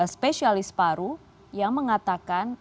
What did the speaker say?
spesialis paru yang mengatakan